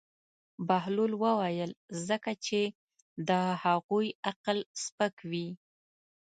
بهلول وویل: ځکه چې د هغوی عقل سپک وي.